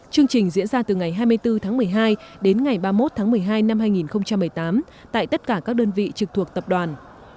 chương trình diễn ra từ ngày hai mươi bốn tháng một mươi hai đến ngày ba mươi một tháng một mươi hai năm hai nghìn một mươi tám tại tất cả các đơn vị trực thuộc tập đoàn